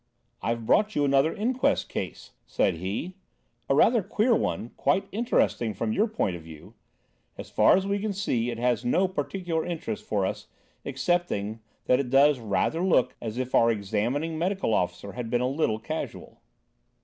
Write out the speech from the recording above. "I've brought you another inquest case," said he; "a rather queer one, quite interesting from your point of view. As far as we can see, it has no particular interest for us excepting that it does rather look as if our examining medical officer had been a little casual."